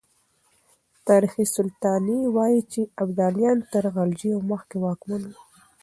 تاريخ سلطاني وايي چې ابداليان تر غلجيو مخکې واکمن وو.